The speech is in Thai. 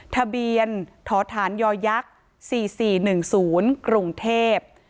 ทะเบียนทฐานยักษ์๔๔๑๐กรุงเทพฯ